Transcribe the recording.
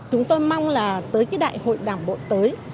chúng tôi mong là tới cái đại hội đảng bộ tới